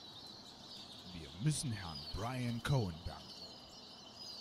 Wir müssen Herrn Brian Cowen danken.